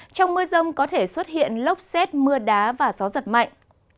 trong mưa rông có thể xuất hiện lốc xét mưa đá và gió giật mạnh